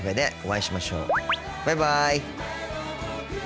バイバイ。